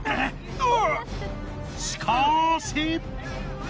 しかし！